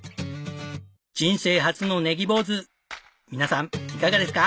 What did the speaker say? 人生初のネギ坊主皆さんいかがですか？